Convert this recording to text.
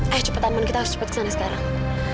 ayo cepetan man kita harus cepet ke sana sekarang